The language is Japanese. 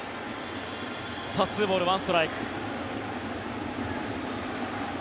さあ、２ボール１ストライク。